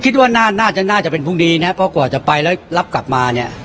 คิดว่าน่าจะน่าจะเป็นพรุ่งนี้นะเพราะกว่าจะไปแล้วรับกลับมาเนี่ย